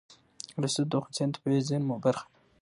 رسوب د افغانستان د طبیعي زیرمو برخه ده.